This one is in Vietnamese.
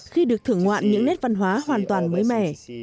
khi được thưởng ngoạn những nét văn hóa hoàn toàn mới mẻ